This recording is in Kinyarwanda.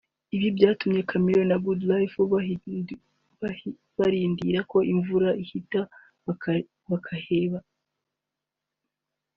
Ibi byatumye Chameleone na Good Lyfe barindira ko imvura ihita baraheba